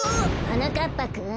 はなかっぱくん。